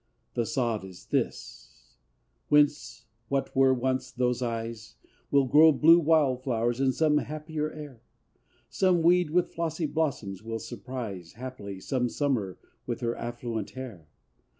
A sod is this; whence, what were once those eyes, Will grow blue wildflowers in some happier air! Some weed with flossy blossoms will surprise, Haply, some summer with her affluent hair!